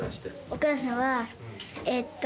おかあさんはえっと。